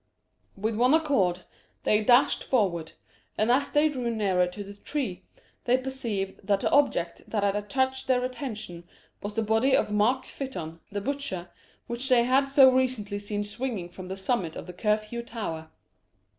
With one accord they dashed forward, and as they drew nearer the tree, they perceived that the object that had attracted their attention was the body of Mark Fytton, the butcher, which they had so recently seen swinging from the summit of the Curfew Tower.